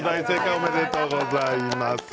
おめでとうございます。